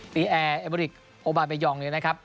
ปีแอร์เอเบอริกโอบาเบยองนะครับ